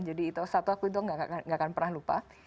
jadi itu satu aku itu nggak akan pernah lupa